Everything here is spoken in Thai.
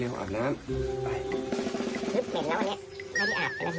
ไหลอาบน้ำไป